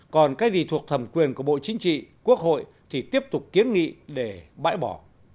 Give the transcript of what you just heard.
còn cái gì thuộc thẩm quyền của bộ chính trị quốc hội thì tiếp tục kiến nghị để bãi bỏ